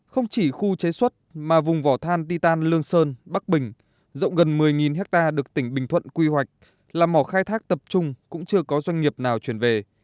không chỉ khu chế xuất mà vùng vỏ than ti tàn lương sơn bắc bình rộng gần một mươi hectare được tỉnh bình thuận quy hoạch là mỏ khai thác tập trung cũng chưa có doanh nghiệp nào chuyển về